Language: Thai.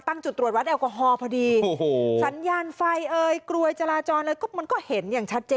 ถูกที่จริง